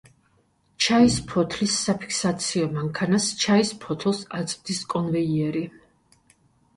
ჩაის ფოთლის საფიქსაციო მანქანას ჩაის ფოთოლს აწვდის კონვეიერი.